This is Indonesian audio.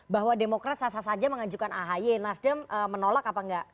bahwa demokrat sah sah saja mengajukan ahy nasdem menolak apa enggak